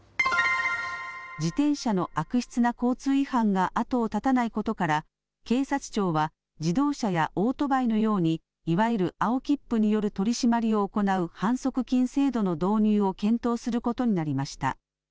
自転車の悪質な交通違反が後を絶たないことから警察庁は自動車やオートバイのようにいわゆる青切符による取締りを行う反則金制度の導入を検討することになりました。